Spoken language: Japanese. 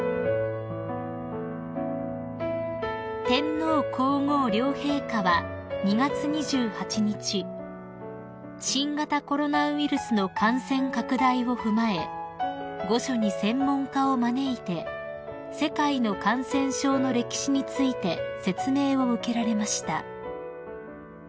［天皇皇后両陛下は２月２８日新型コロナウイルスの感染拡大を踏まえ御所に専門家を招いて世界の感染症の歴史について説明を受けられました］